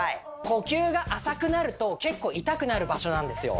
呼吸が浅くなると結構痛くなる場所なんですよ